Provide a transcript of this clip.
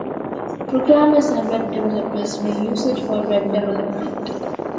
Programmers and web developers may use it for web development.